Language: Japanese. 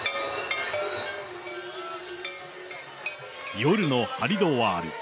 夜のハリドワール。